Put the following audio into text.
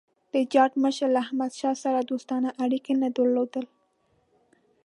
د جاټ مشر له احمدشاه سره دوستانه اړیکي نه درلودل.